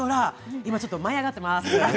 今、舞い上がっています。